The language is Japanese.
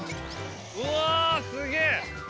うわすげぇ！